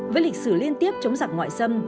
với lịch sử liên tiếp chống giặc ngoại xâm